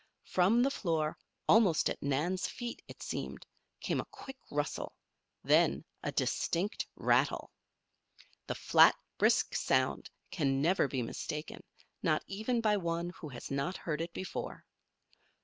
From the floor, almost at Nan's feet, it seemed, came a quick rustle then a distinct rattle. The flat, brisk sound can never be mistaken, not even by one who has not heard it before.